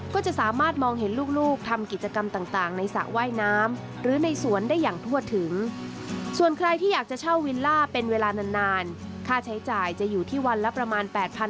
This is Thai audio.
ก็จะสามารถมองเห็นลูกทำกิจกรรมต่างในสระว่ายน้ำ